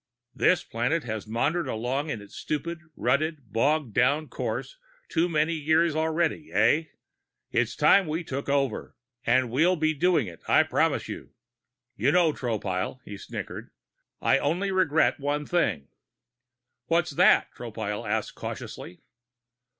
This planet has maundered along in its stupid, rutted, bogged down course too many years already, eh? It's time we took over! And we'll be doing it, I promise you. You know, Tropile " he sniggered "I only regret one thing." "What's that?" Tropile asked cautiously.